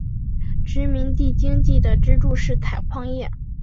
殖民地经济的支柱是采矿业。